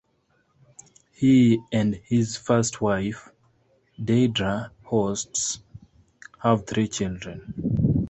He and his first wife, Deirdre Holst, have three children.